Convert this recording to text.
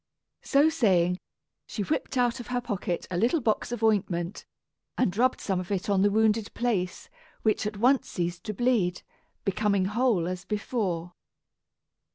So saying, she whipped out of her pocket a little box of ointment, and rubbed some of it on the wounded place, which at once ceased to bleed, becoming whole as before.